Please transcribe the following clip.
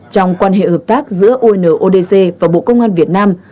trong quan hệ hợp tác giữa unodc và bộ công an việt nam